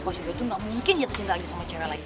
kok si boy tuh gak mungkin jatuh cinta lagi sama cewek lain